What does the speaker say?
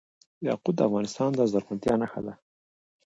یاقوت د افغانستان د زرغونتیا نښه ده.